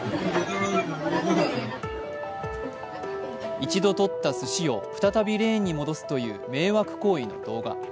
一度とったすしを再びレーンに戻すという迷惑行為の動画。